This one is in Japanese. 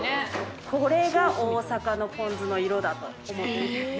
これが大阪のぽん酢の色だと。